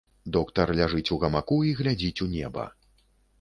Доктар ляжыць у гамаку і глядзіць у неба.